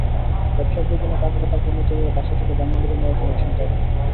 ব্যবসার প্রয়োজনে টাকাটা তাঁর কর্মচারীরা বাসা থেকে ধানমন্ডিতে নেওয়ার সময় ছিনতাই হয়।